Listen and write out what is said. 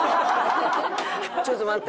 ちょっと待って。